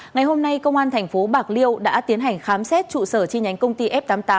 ngày hôm nay công an thành phố bạc liêu đã tiến hành khám xét trụ sở chi nhánh công ty f tám mươi tám